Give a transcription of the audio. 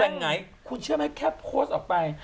แต่ไงคุณเชื่อไหมแค่โพสต์ออกไป